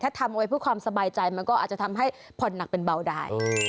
ถ้าทำไว้เพื่อความสบายใจมันก็อาจจะทำให้ผ่อนหนักเป็นเบาได้